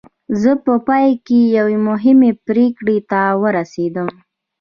زه په پای کې یوې مهمې پرېکړې ته ورسېدم